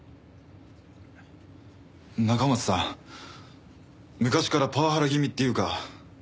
中松さん昔からパワハラ気味っていうか。